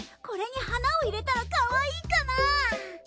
これに花を入れたらかわいいかな。